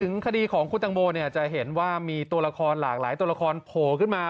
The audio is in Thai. คดีของคุณตังโมเนี่ยจะเห็นว่ามีตัวละครหลากหลายตัวละครโผล่ขึ้นมา